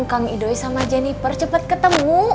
semoga idoi sama jennifer cepat ketemu